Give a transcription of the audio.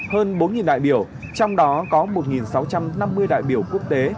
hơn bốn đại biểu trong đó có một sáu trăm năm mươi đại biểu quốc tế